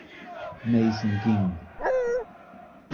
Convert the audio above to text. Mason ging.